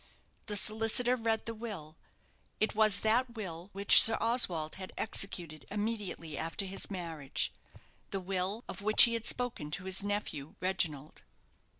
The solicitor read the will. It was that will which Sir Oswald had executed immediately after his marriage the will, of which he had spoken to his nephew, Reginald.